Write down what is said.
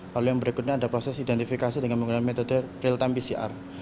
lalu yang berikutnya ada proses identifikasi dengan menggunakan metode real time pcr